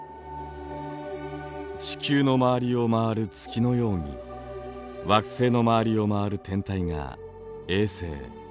地球の周りを回る月のように惑星の周りを回る天体が衛星。